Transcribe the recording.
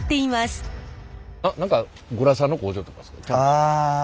ああ。